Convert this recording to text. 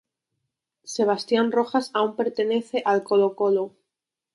Sebastián Rojas aún pertenece a Colo-Colo.